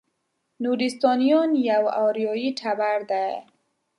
نورستانیان یو اریایي ټبر دی.